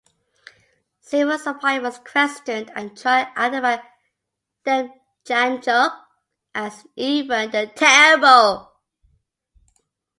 Several survivors questioned at trial identified Demjanjuk as Ivan the Terrible.